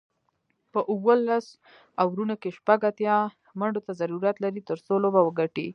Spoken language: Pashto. په اوولس اورونو کې شپږ اتیا منډو ته ضرورت لري، ترڅو لوبه وګټي